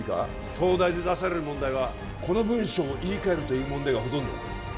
東大で出される問題は「この文章を言い換えろ」という問題がほとんどだ